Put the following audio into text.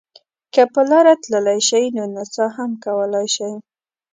که په لاره تللی شئ نو نڅا هم کولای شئ.